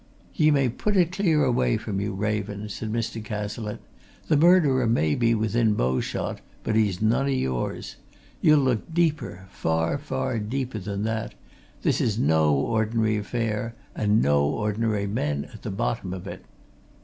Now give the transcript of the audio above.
"Ye may put it clear away from you, Raven," said Mr. Cazalette. "The murderer may be within bow shot, but he's none o' yours. Ye'll look deeper, far, far deeper than that this is no ordinary affair, and no ordinary men at the bottom of it."